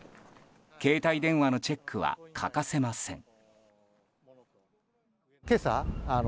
携帯電話のチェックは欠かせません。